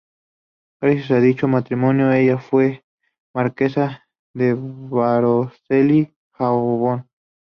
Gracias a dicho matrimonio ella fue marquesa de Baroncelli-Javon.